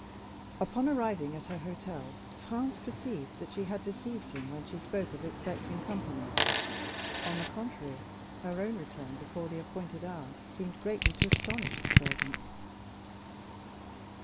Upon arriving at her hotel, Franz perceived that she had deceived him when she spoke of expecting company; on the contrary, her own return before the appointed hour seemed greatly to astonish the servants.